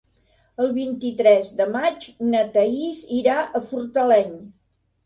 El vint-i-tres de maig na Thaís irà a Fortaleny.